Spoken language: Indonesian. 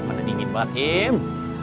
mana dingin pak tim